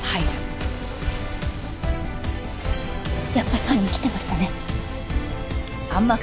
やっぱり犯人来てましたね。